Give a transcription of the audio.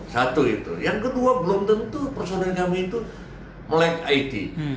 satu itu yang kedua belum tentu personil kami itu melek it